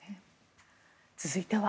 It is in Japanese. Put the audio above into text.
続いては。